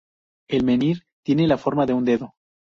El menhir, tiene la forma de un dedo.